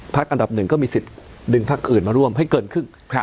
อันดับหนึ่งก็มีสิทธิ์ดึงพักอื่นมาร่วมให้เกินครึ่ง